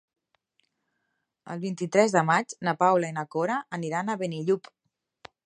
El vint-i-tres de maig na Paula i na Cora aniran a Benillup.